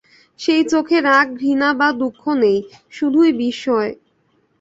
সেই চোখে রাগ, ঘৃণা বা দুঃখ নেই, শুধুই বিস্ময়।